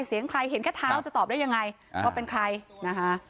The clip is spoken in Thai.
เสียงใครเห็นแค่เท้าจะตอบได้ยังไงว่าเป็นใครนะคะ